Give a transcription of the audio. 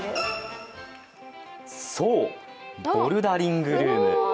そう、ボルダリングルーム。